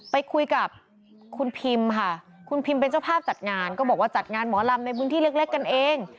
ไปคุยกับคุณพิมค่ะคุณพิมเป็นเจ้าภาพจัดงานก็บอกว่าจัดงานหมอลำในพื้นที่เล็กกันเอง